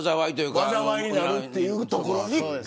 災いになるっていうところに。